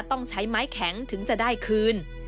ต้องใช้ไม้แข็งถึงจะได้คืน